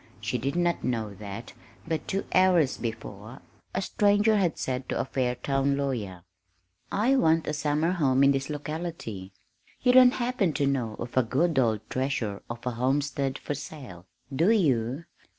She did not know that but two hours before, a stranger had said to a Fairtown lawyer: "I want a summer home in this locality. You don't happen to know of a good old treasure of a homestead for sale, do you?"